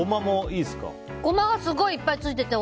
ゴマがすごいいっぱいついてて